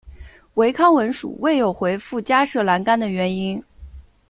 唯康文署未有回覆加设栏杆的原因。